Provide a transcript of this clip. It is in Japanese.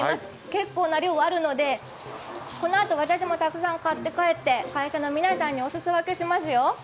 結構な量があるので、このあと私もたくさん買って帰って会社の皆さんにおすそ分けしますよ。